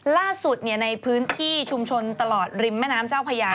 ล่าสุดในพื้นที่ชุมชนตลอดริมแม่น้ำเจ้าพญา